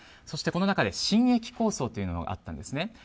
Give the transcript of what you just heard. そして新駅構想というのがあったんですね。